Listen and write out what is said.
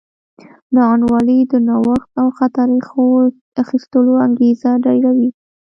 ناانډولي د نوښت او خطر اخیستلو انګېزه ډېروي.